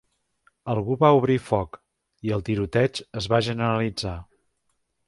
Algú va obrir el foc, i el tiroteig es va generalitzar.